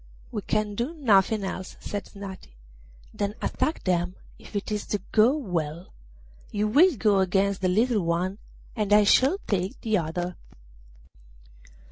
'We can do nothing else,' said Snati, 'than attack them, if it is to go well; you will go against the little one, and I shall take the other.